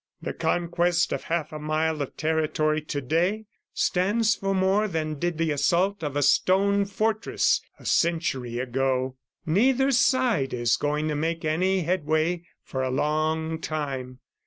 The conquest of half a mile of territory to day stands for more than did the assault of a stone fortress a century ago. Neither side is going to make any headway for a long time.